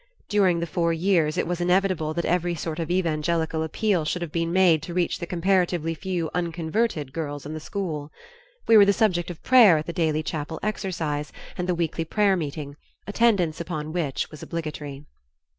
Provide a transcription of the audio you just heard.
During the four years it was inevitable that every sort of evangelical appeal should have been made to reach the comparatively few "unconverted" girls in the school. We were the subject of prayer at the daily chapel exercise and the weekly prayer meeting, attendance upon which was obligatory.